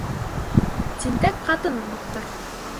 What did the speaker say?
Тинтәк ҡатынын маҡтар.